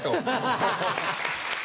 ハハハ。